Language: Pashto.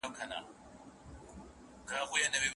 که خبرې وي نو فکر فعالېږي.